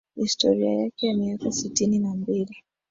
historia yake ya miaka sitini na mbili